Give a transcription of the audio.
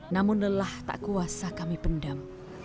namun lelah tak kuasa kami pendam